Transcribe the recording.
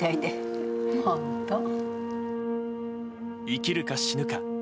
生きるか死ぬか。